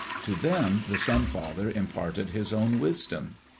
To them the Sun father imparted his own wisdom.